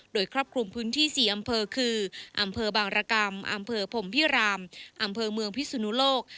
โดยครอบคลุมพื้นที่๔อำเภอคืออำเภอบางรกรรมอำเภอพรมพิรามอำเภอเมืองพิศนุโลก